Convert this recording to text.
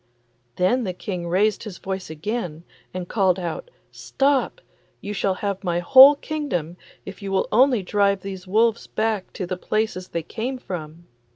Then the King raised his voice again and called out, 'Stop! you shall have my whole kingdom, if you will only drive these wolves back to the places they came from.